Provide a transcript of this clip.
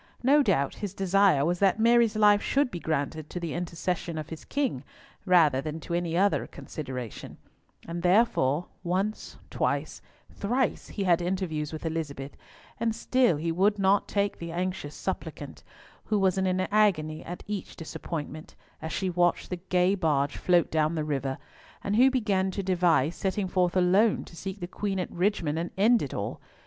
No doubt his desire was that Mary's life should be granted to the intercession of his king rather than to any other consideration; and therefore once, twice, thrice, he had interviews with Elizabeth, and still he would not take the anxious suppliant, who was in an agony at each disappointment, as she watched the gay barge float down the river, and who began to devise setting forth alone, to seek the Queen at Richmond and end it all!